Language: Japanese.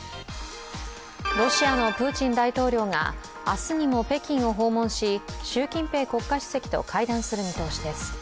ロシアのプーチン大統領が明日にも北京を訪問し習近平国家主席と会談する見通しです。